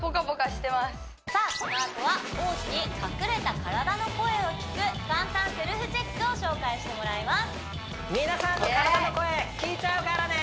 さあこのあとは王子に隠れた体の声を聴く簡単セルフチェックを紹介してもらいます